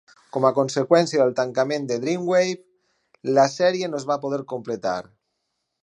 Com a conseqüència del tancament de Dreamwave, la sèrie no es va poder completar.